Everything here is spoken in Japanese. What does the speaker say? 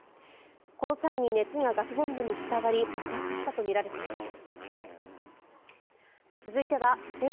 この際に熱がガスボンベに伝わり爆発したとみられています。